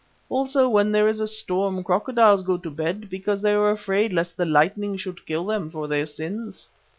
Also when there is a storm crocodiles go to bed because they are afraid lest the lightning should kill them for their sins."